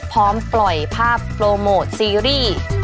พร้อมปล่อยภาพโปรโมทซีรีส์